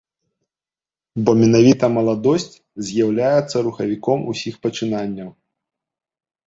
Бо менавіта маладосць з'яўляецца рухавіком усіх пачынанняў.